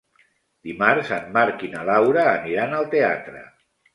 Dimarts en Marc i na Laura aniran al teatre.